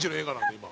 今。